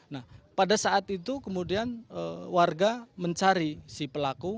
nah pada saat itu kemudian warga mencari si pelaku